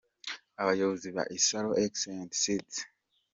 Abayobozi ba Isaro Excellent Seeds :.